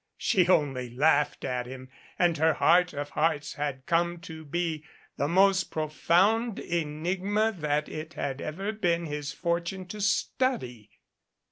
She only laughed at him and her heart of hearts had come to be the most profound enigma that it had ever been his fortune to study.